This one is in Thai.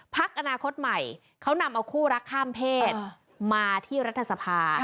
พักอนาคตใหม่เขานำเอาคู่รักข้ามเพศมาที่รัฐสภา